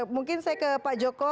mungkin saya ke pak joko